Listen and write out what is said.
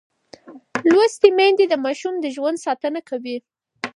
لوستې میندې د ماشوم د ژوند ساتنه کوي.